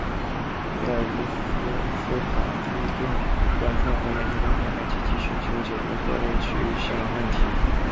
吉尔吉斯斯坦地震观测和研究中心还积极寻求解决各类区域性问题。